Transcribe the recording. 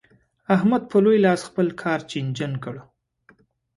احمد په لوی لاس خپل کار چينجن کړ.